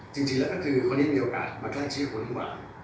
จริงแล้วก็คือคนนี้มีโอกาสมาแกล้งชีวิตคุณน้ำหวาน